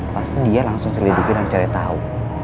pasti dia langsung selidiki dan cari tahu